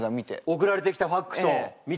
送られてきたファックスを見て。